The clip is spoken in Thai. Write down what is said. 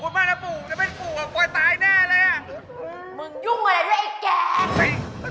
มึงยุ่งกับอะไรด้วยไอ้แก